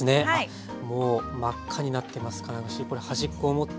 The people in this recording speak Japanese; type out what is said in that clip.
もう真っ赤になってますから端っこを持ってね。